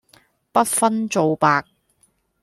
不分皂白